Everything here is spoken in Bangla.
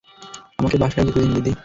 আমাকে বাসায় যেতে দিন, দিদি।